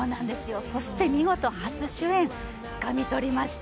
そして見事初主演つかみ取りました。